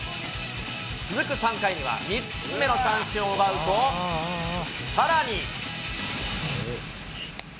続く３回には３つ目の三振を奪うと、さらに。